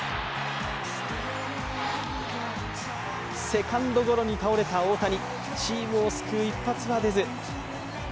セカンドゴロに倒れた大谷チームを救う一発は出ず。